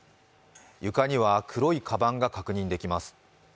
床には黒いかばんが確認できます。